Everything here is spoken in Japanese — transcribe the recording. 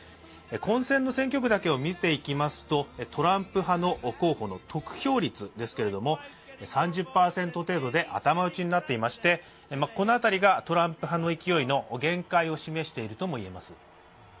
混戦の選挙区だけを見ていきますとトランプ派の候補の得票率ですけれども３０％程度で頭打ちになっていましてこの辺りが、トランプ派の勢いの限界を示しているともいえます。